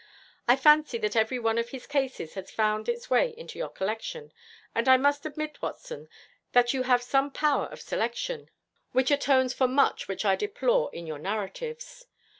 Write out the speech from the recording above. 'I fancy that every one of his cases has found its way into your collection, and I must admit, Watson, that you have some power of selection, which atones for much which I deplore in your narratives.